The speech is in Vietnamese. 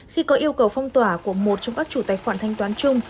khi có yêu cầu phong tỏa của một trong các chủ tài khoản thanh toán chung